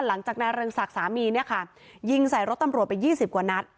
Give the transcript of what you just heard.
หลังจากนายเรืองศักดิ์สามีเนี่ยค่ะยิงใส่รถตำรวจไป๒๐กว่านัด